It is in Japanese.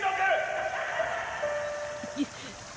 ハハハハ！